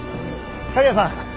刈谷さん。